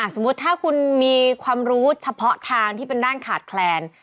สมมุติถ้าคุณมีความรู้เฉพาะทางที่เป็นด้านขาดแคลน